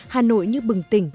hà nội như bừng tỉnh